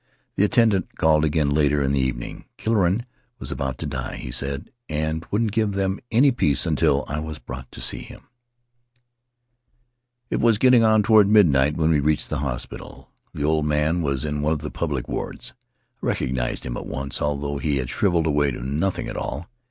The attendant called again later in the evening. Killorain was about to die, he said, and wouldn't give them any peace until I was brought to see him. Faery Lands of the South Seas "It was getting on toward midnight when we reached the hospital. The old man was in one of the public wards. I recognized him at once, although he had shriveled away to nothing at all.